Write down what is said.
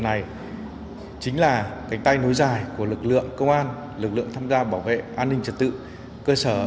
này chính là cánh tay nối dài của lực lượng công an lực lượng tham gia bảo vệ an ninh trật tự cơ sở